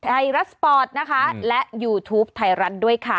ไทยรัฐสปอร์ตนะคะและยูทูปไทยรัฐด้วยค่ะ